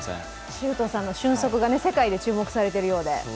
周東さんの俊足が世界で注目されているそうで。